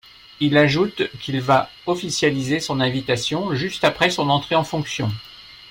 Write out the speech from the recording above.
Il ajoute qu'il va officialiser son invitation, juste après son entrée en fonction.